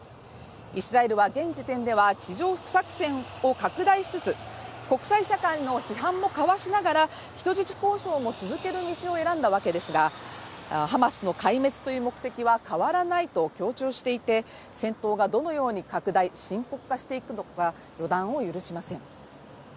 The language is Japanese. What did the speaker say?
イスラエルは現時点では地上作戦を拡大しつつ国際社会の批判もかわしながら人質交渉も続ける道を選んだわけですがハマスの壊滅という目的は変わらないと強調していて戦闘がどのように拡大、深刻化していくのか、予断を許しません。